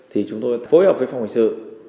thì chúng tôi phối hợp với phòng hành sự